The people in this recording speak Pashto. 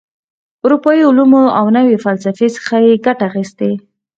اروپايي علومو او نوي فسلفې څخه یې ګټه اخیستې.